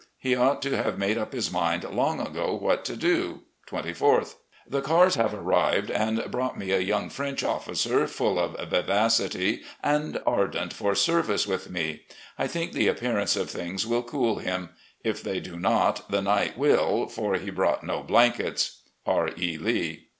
He ought to have made up his mind long ago what to do 24th. The cars have arrived and brought me a young French officer, full of vivacity, and ardent for service with me. I think the appearance of things will cool him. If they do not, the night will, for he brought no blankets. "R. E. Lee."